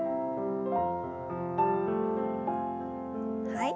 はい。